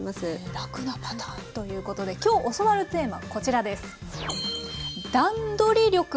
楽なパターンということで今日教わるテーマこちらです。